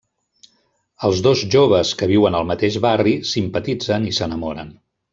Els dos joves que viuen al mateix barri, simpatitzen i s'enamoren.